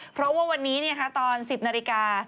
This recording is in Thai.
เพราะว่าวันนี้ตอน๑๐นาฬิกา